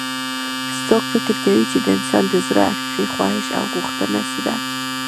څوک فکر کوي چې د انسان د زړه حقیقي خواهش او غوښتنه څه ده